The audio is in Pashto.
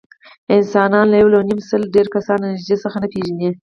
انسانان له یونیمسل ډېر کسان له نږدې څخه نه پېژني.